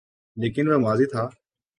لیکن وہ ماضی تھا۔